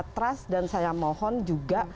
trust dan saya mohon juga